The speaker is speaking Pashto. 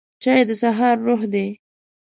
چای د سهار روح دی